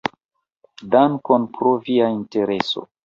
Dankon pro via intereso!